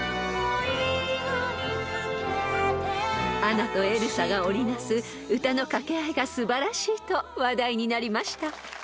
［アナとエルサが織りなす歌の掛け合いが素晴らしいと話題になりました］